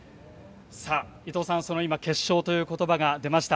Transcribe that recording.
伊藤さん、決勝という言葉が今、出ました。